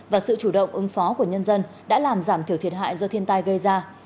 và sự chủ động ứng phó của nhân dân đã làm giảm thiểu thiệt hại do thiên tai gây ra